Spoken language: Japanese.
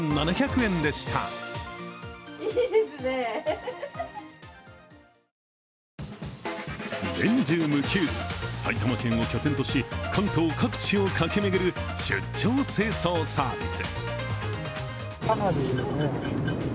年中無休、埼玉県を拠点とし、関東各地を駆け巡る出張清掃サービス。